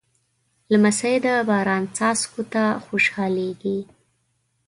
لمسی د باران څاڅکو ته خوشحالېږي.